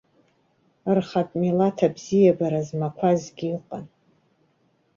Рхатә милаҭ бзиабара змақәазгьы ыҟан.